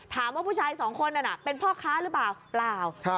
ผู้ชายสองคนนั้นเป็นพ่อค้าหรือเปล่าเปล่า